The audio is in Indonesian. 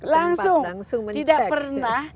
langsung tidak pernah